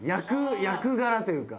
役柄というか。